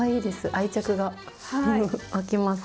愛着が湧きます。